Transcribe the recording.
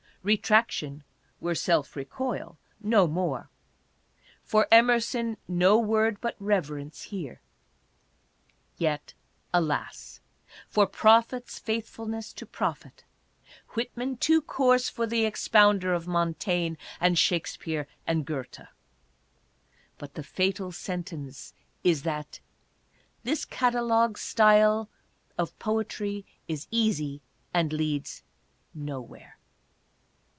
Retraction were self re coil, no more. For Emerson no word but reverence here. Yet, alas ! for prophet's faithfulness to prophet ! Whitman too coarse for the expounder of Montaigne and Shakspere and Goethe ! But the fatal sentence is that " this catalogue style of poetry is easy and leads nowhere."